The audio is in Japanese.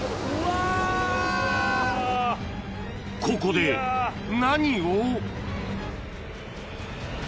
［ここで何を？］